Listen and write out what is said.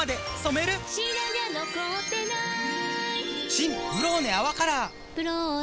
新「ブローネ泡カラー」「ブローネ」